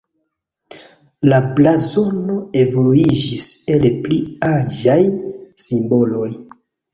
La blazono evoluiĝis el pli aĝaj simboloj.